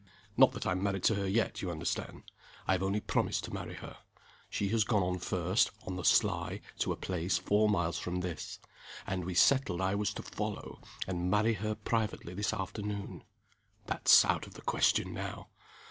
Not that I'm married to her yet, you understand. I have only promised to marry her. She has gone on first (on the sly) to a place four miles from this. And we settled I was to follow, and marry her privately this afternoon. That's out of the question now.